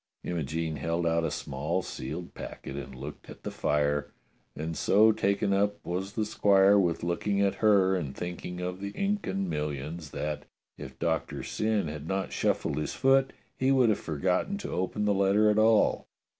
Imogene held out a small sealed packet, and looked at the fire, and so taken up was the squire with looking at her and thinking of the Incan millions that, if Doctor Syn had not shuffled his foot, he would have forgotten to open the letter at all.